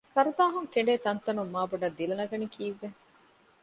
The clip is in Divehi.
ކަރުދާހުން ކެނޑޭ ތަންތަނުން މާބޮޑަށް ދިލަނަގަނީ ކީއްވެ؟